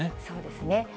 そうですね。